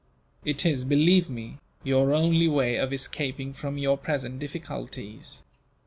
It is, believe me, your only way of escaping from your present difficulties.